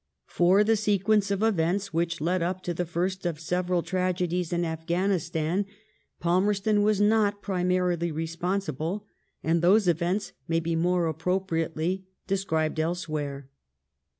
For the sequence of events which led up to the first of several tragedies in Afghanistan Palmerston was not primarily re sponsible, and those events may be more appropriately described elsewhere.